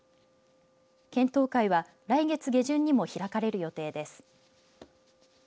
検討会は来月下旬にも開かれる予定です。